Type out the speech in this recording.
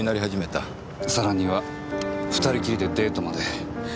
さらには２人きりでデートまで。